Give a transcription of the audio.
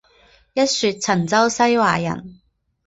一说陈州西华人。